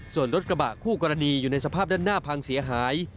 ส่วนรถกระบะคู่กรณีอยู่ในสภาพด้านหน้าพังเสียหาย